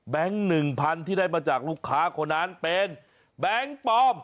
หนึ่งพันที่ได้มาจากลูกค้าคนนั้นเป็นแบงค์ปลอม